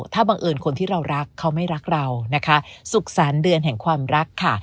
ถ้าบังเอิญคนที่เรารักเขาไม่รักเรานะคะสุขสรรค์เดือนแห่งความรักค่ะ